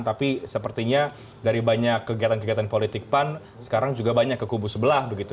tapi sepertinya dari banyak kegiatan kegiatan politik pan sekarang juga banyak ke kubu sebelah begitu